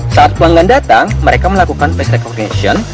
saat pelanggan datang mereka melakukan face recognition